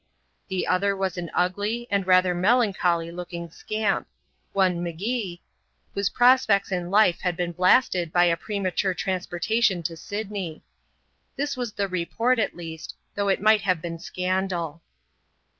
The other was an ugly, and rather melancholy looking scamp ; one M*Gee, whose prospects in life had been blasted by a premature transportation to Syd ney. This was the report, at least, though it might have been scandal.